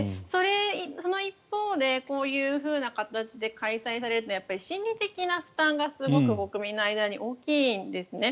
その一方でこういうふうな形で開催されると心理的な負担がすごく国民の間に大きいんですね。